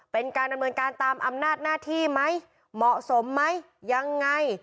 เป็นการดำเนินการตามอำนาจหน้าที่ไหมเหมาะสมไหมยังไง